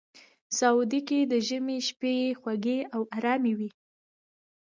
سعودي کې د ژمي شپې خوږې او ارامې وي.